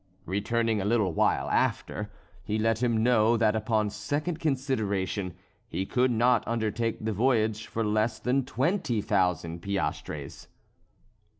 Returning a little while after, he let him know that upon second consideration, he could not undertake the voyage for less than twenty thousand piastres.